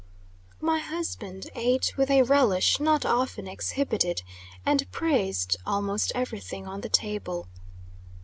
My husband eat with a relish not often exhibited, and praised almost every thing on the table.